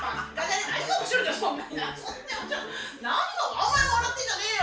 お前も笑ってんじゃねえよ！